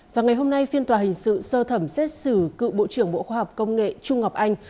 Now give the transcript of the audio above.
và ngày hôm nay phiên tòa hình sự sơ thẩm xét xử cựu bộ trưởng bộ khoa học công nghệ trung ngọc anh